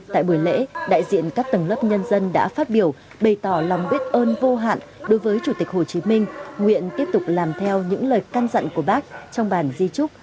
tại buổi lễ đại diện các tầng lớp nhân dân đã phát biểu bày tỏ lòng biết ơn vô hạn đối với chủ tịch hồ chí minh nguyện tiếp tục làm theo những lời căn dặn của bác trong bản di trúc